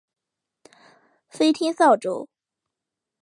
飞天扫帚。